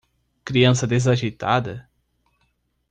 Criança desajeitada?